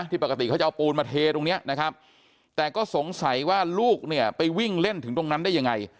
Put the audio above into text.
ปกติเขาจะเอาปูนมาเทตรงนี้นะครับแต่ก็สงสัยว่าลูกเนี่ยไปวิ่งเล่นถึงตรงนั้นได้ยังไง